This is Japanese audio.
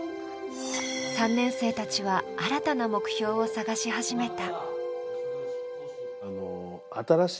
３年生たちは新たな目標を探し始めた。